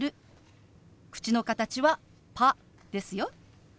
口の形は「パ」ですよ。